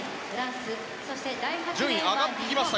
順位上がってきました。